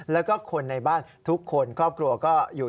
แล้วก็คนในบ้านทุกคนครอบครัวก็อยู่